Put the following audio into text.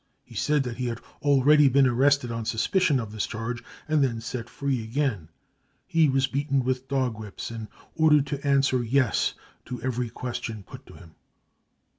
He said that •he had already been arrested on suspicion of this charge and then set free again. He was beaten with dog whips and ordered to answer 6 Yes 5 to every question put to him.